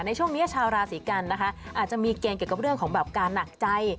ในช่วงนี้ชาวราศีกันนะคะอาจจะมีเกณฑ์เกี่ยวกับเรื่องของแบบการหนักใจ